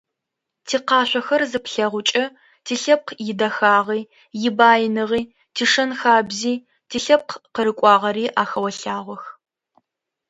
Тикъашъохэр зыплъэгъукӏэ тилъэпкъ идэхагъи, ибаиныгъи, тишэн-хабзи, тилъэпкъ къырыкӏуагъэри ахэолъагъох.